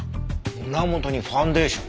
胸元にファンデーション。